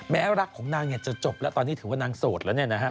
รักของนางจะจบแล้วตอนนี้ถือว่านางโสดแล้วเนี่ยนะฮะ